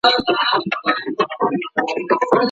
باسیواده میندي څنګه د ماشومانو روغتیا ساتي؟